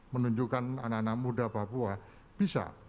menunjukkan anak anak muda papua bisa